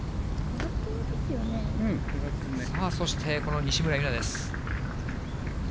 さあ、そしてこの西村優菜です。